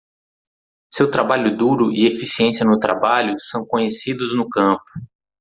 Seu trabalho duro e eficiência no trabalho são conhecidos no campo.